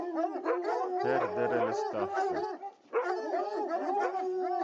Perdere le staffe.